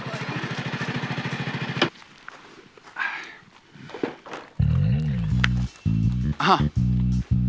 อ้าว